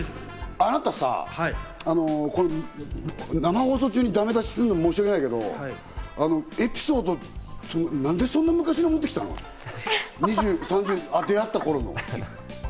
あなたさぁ、生放送中にだめ出しするのも申し訳ないけど、エピソード、何でそんな昔の持って来たの？出会った頃の。